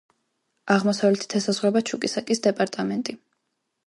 აღმოსავლეთით ესაზღვრება ჩუკისაკის დეპარტამენტი.